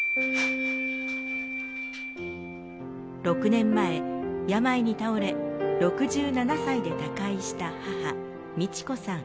６年前病に倒れ６７歳で他界した母美知子さん。